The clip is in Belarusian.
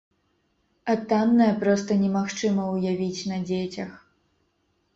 А таннае проста немагчыма ўявіць на дзецях.